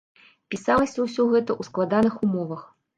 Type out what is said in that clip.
Пісалася ўсё гэта ў складаных умовах.